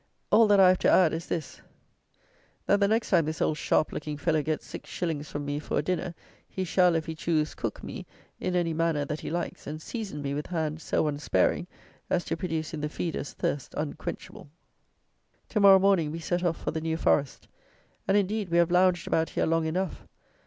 All that I have to add is this: that the next time this old sharp looking fellow gets six shillings from me, for a dinner, he shall, if he choose, cook me, in any manner that he likes, and season me with hand so unsparing as to produce in the feeders thirst unquenchable. To morrow morning we set off for the New Forest; and, indeed, we have lounged about here long enough.